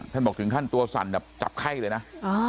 ท่านบอกถึงท่านตัวสั่นก็จับไข้เลยนะ